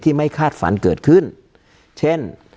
การแสดงความคิดเห็น